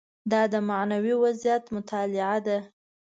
دا د معنوي وضعیت مطالعه ده.